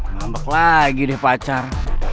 ngambek lagi deh pacar